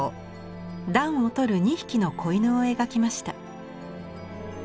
暖をとる２匹の仔犬を描きました。